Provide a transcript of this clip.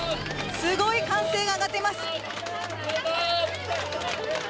すごい歓声が上がっています。